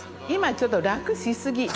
今ちょっと楽し過ぎ。